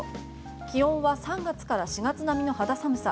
気温は３月から４月並みの肌寒さ。